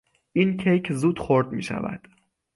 این کیک زود خرد میشود.